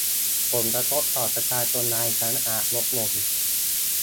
ผลกระทบต่อประชาชนรายครั้งอาจลดลง